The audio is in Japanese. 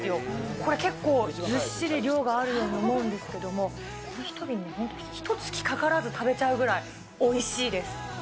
これ、結構ずっしり量があるように思うんですけども、これ１瓶でひとつきかからず食べちゃうぐらいおいしいです。